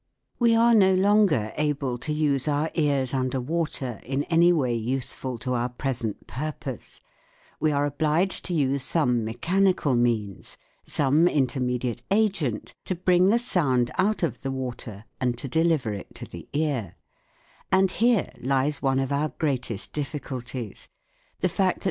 We are no longer able to use our ears under water in any way useful to our present purpose. We are obliged to use some mechanical means, some inter mediate agent, to bring the sound out of the water and to deliver it to the ear ; and here lies one of our greatest difficulties the fact that we can never transfer the sound without distorting it more or less.